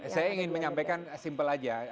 saya ingin menyampaikan simpel aja